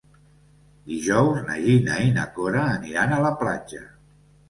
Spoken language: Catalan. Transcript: Dijous na Gina i na Cora aniran a la platja.